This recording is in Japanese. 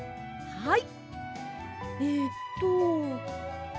はい。